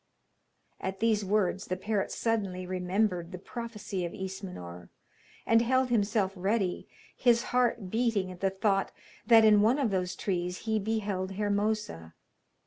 At these words the parrot suddenly remembered the prophecy of Ismenor, and held himself ready, his heart beating at the thought that in one of those trees he beheld Hermosa.